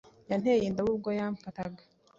Yanteye indobo ubwo yamfataga